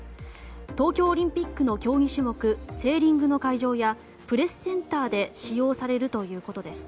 東京オリンピックの競技種目セーリングの会場やプレスセンターで使用されるということです。